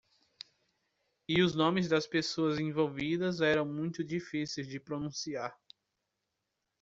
E os nomes das pessoas envolvidas eram muito difíceis de pronunciar.